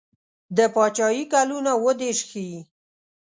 د پاچهي کلونه اووه دېرش ښيي.